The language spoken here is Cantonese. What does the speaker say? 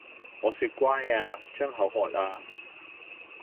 我說乖呀！張口喝呀